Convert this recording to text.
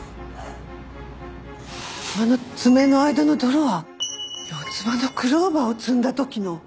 あの爪の間の泥は四つ葉のクローバーを摘んだ時の。